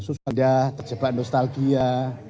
susah terjebak nostalgia